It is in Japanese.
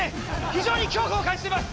非常に恐怖を感じてます。